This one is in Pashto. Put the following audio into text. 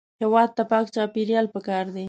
هېواد ته پاک چاپېریال پکار دی